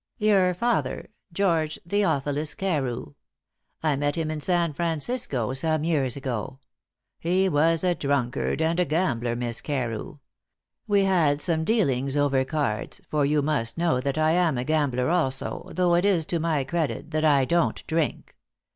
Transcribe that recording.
"Your father George Theophilus Carew. I met him in San Francisco some years ago. He was a drunkard and a gambler, Miss Carew. We had some dealings over cards, for you must know that I am a gambler also, though it is to my credit that I don't drink.